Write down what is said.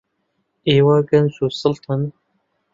ئێوە گەنج و سەڵتن.